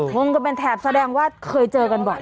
งงกันเป็นแถบแสดงว่าเคยเจอกันบ่อย